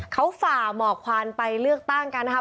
เขาฝ่าหมอกควันไปเลือกตั้งกันนะครับ